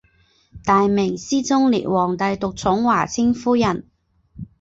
大明思宗烈皇帝独宠华清夫人。